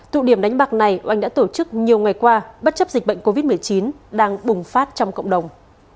thụ điểm đánh bạc này oanh đã tổ chức nhiều ngày qua bất chấp dịch bệnh covid một mươi chín đang bùng phát trong cộng đồng